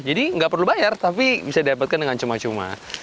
jadi nggak perlu bayar tapi bisa didapatkan dengan cuma cuma